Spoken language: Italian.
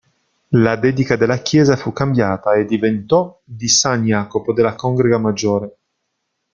La dedica della chiesa fu cambiata e diventò "di San Iacopo della Congrega maggiore".